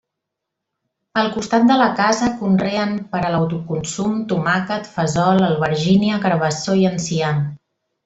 Al costat de la casa conreen per a l'autoconsum tomàquet, fesol, albergínia, carabassó i enciam.